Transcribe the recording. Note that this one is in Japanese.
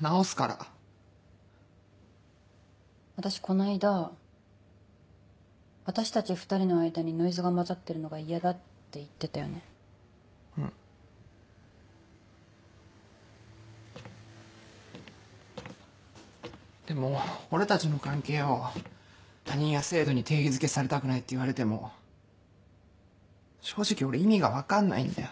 直すから私この間「私たち２人の間にノイズが混ざってるのが嫌だ」でも俺たちの関係を他人や制度に定義づけされたくないって言われても正直俺意味が分かんないんだよ